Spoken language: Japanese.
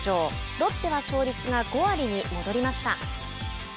ロッテは勝率が５割に戻りました。